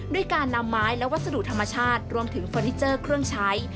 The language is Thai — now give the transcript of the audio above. ด้วยการนำไม้และวัสดุธรรมชาติรวมถึงเฟอร์นิเจอร์เครื่องใช้